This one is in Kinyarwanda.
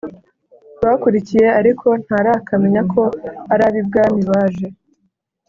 bakurikiye ariko ntarakamenya ko arabibwami baje.